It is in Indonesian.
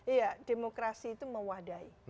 iya demokrasi itu mewadai